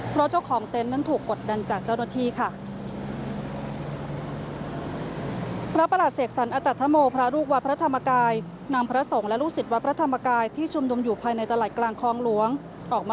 เพราะเจ้าของเต็นต์นั้นถูกกดดันจากเจ้าหน้าที่ค่ะ